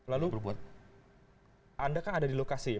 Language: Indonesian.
lalu anda kan ada di lokasi ya